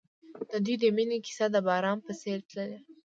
د دوی د مینې کیسه د باران په څېر تلله.